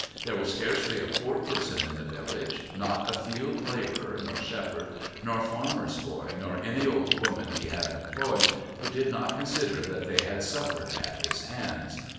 There was scarcely a poor person in the village not a field labourer nor shepherd nor farmer's boy, nor any old woman he had employed, who did not consider that they had suffered at his hands.